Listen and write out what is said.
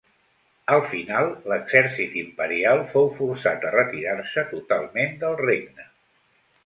Al final l'exèrcit imperial fou forçat a retirar-se totalment del regne.